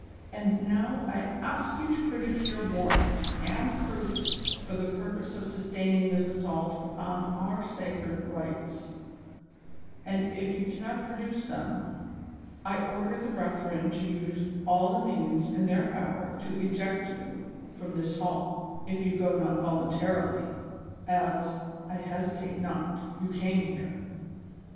And now I ask you to produce your warrant and proofs for the purpose of sustaining tliis assault upon our sacred rights ; and, if you cannot produce them, I order the brethren to use all the means in their power to eject you from this hall, if you go not voluntarily, as, I hesitate not, you came here.